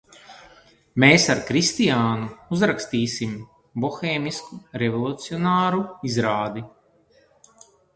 Mēs ar Kristiānu uzrakstīsim bohēmiski revolucionāru izrādi!